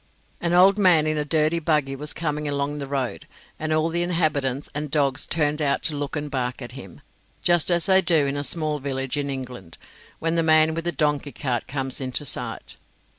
An old man in a dirty buggy was coming along the road, and all the inhabitants and dogs turned out to look and bark at him, just as they do in a small village in England, when the man with the donkey cart comes in sight.